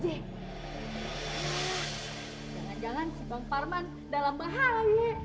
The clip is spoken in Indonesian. jangan jangan bang parman dalam bahaya